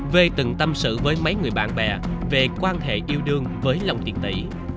v từng tâm sự với mấy người bạn bè về quan hệ yêu đương với long tiền tỷ